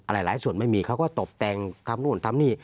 หลายส่วนไม่มีเขาก็ตบแต่งทำนู่นทำนี่